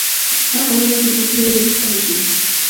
هره خبره باید له فکرو وروسته وشي